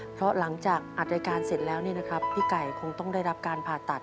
เพราะหลังจากอัดรายการเสร็จแล้วพี่ไก่คงต้องได้รับการผ่าตัด